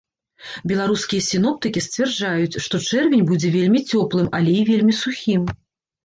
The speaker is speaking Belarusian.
Беларускія сіноптыкі сцвярджаюць, што чэрвень будзе вельмі цёплым, але і вельмі сухім.